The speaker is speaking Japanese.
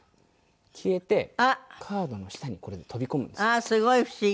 ああーすごい不思議。